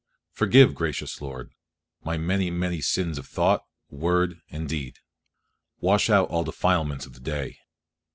Forgive, gracious Lord, my many, many sins of thought, word, and deed; wash out all the defilements of the day.